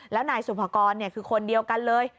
แล้วนายสุภกรคือคนเดียวกันเลย